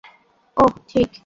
ওহ, ঠিক।